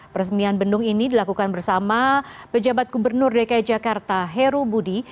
peresmian bendung ini dilakukan bersama pejabat gubernur dki jakarta heru budi